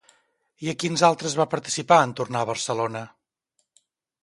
I a quins altres va participar en tornar a Barcelona?